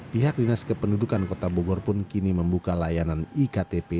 pihak dinas kependudukan kota bogor pun kini membuka layanan iktp